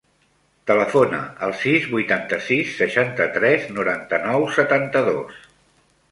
Telefona al sis, vuitanta-sis, seixanta-tres, noranta-nou, setanta-dos.